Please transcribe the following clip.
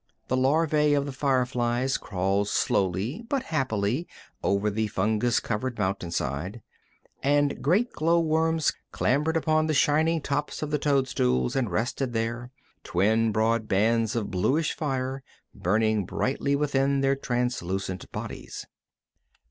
The larvæ of the fireflies crawled slowly but happily over the fungus covered mountainside, and great glow worms clambered upon the shining tops of the toadstools and rested there, twin broad bands of bluish fire burning brightly within their translucent bodies.